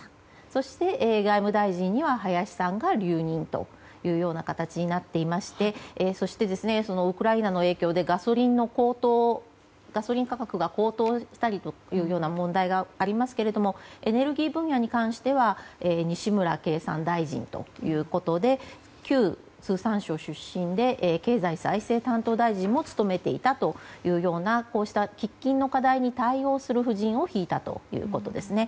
そして、外務大臣に林さんが留任という形になってましてそして、ウクライナの影響でガソリン価格が高騰したりという問題がありますけれどもエネルギー分野に関しては西村経産大臣ということで旧通産省出身で経済再生担当大臣も務めていたというようなこうした喫緊の課題に対応する布陣を敷いたということですね。